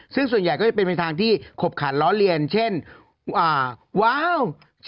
ซึ่งส่วนใหญ่ก็จะเป็นไปทางที่ขบขันล้อเลียนเช่นว้าว